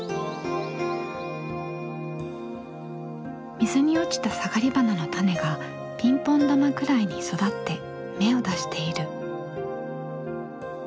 水に落ちたサガリバナの種がピンポン球くらいに育って芽を出している。